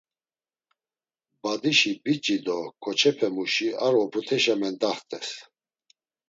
Badişi biç̌i do ǩoçepe muşi ar oput̆eşa mendaxtes.